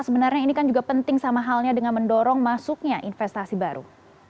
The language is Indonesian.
sebenarnya ini kan juga penting sama halnya dengan mendorong masuknya investasi baru